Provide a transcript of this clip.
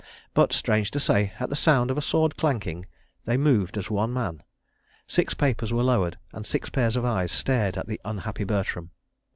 But, strange to say, at the sound of a sword clanking, they moved as one man; six papers were lowered and six pairs of eyes stared at the unhappy Bertram.